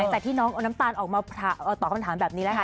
แต่ที่น้องเอาน้ำตาลออกมาตอบคำถามแบบนี้แล้วค่ะ